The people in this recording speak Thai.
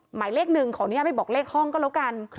ชั้น๑ของนี้ไม่บอกเลขห้องก็แล้วกัน